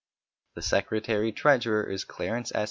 The secretary treasurer is Clarence S.